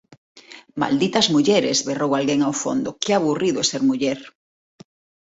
“Malditas mulleres!” berrou alguén ao fondo, “Que aburrido é ser muller!”